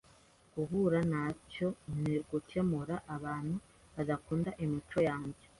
Ikibazo cyonyine nigeze guhura nacyo ni ugukemura abantu badakunda imico yanjye.